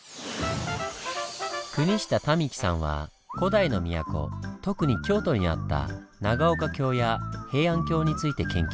下多美樹さんは古代の都特に京都にあった長岡京や平安京について研究しています。